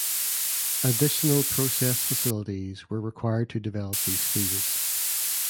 Additional process facilities were required to develop these fields.